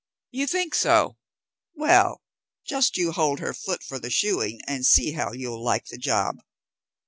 "You think so. Well, just you hold her foot for the shoeing, and see how you'll like the job.